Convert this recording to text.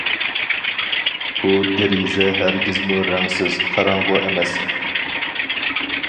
ئۇ دېرىزە ھەرگىزمۇ رەڭسىز، قاراڭغۇ ئەمەس.